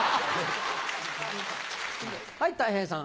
はいたい平さん。